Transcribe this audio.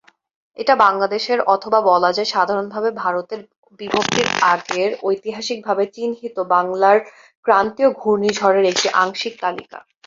এটা বাংলাদেশ এর অথবা বলাযায় সাধারণভাবে ভারতের বিভক্তির আগের ঐতিহাসিক ভাবে চিহ্নিত বাংলার ক্রান্তীয় ঘূর্ণিঝড়ের একটি আংশিক তালিকা।